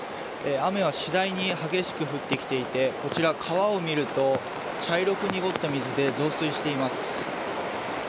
雨は次第に激しく降ってきていてこちら、川を見ると茶色く濁った水で増水しています。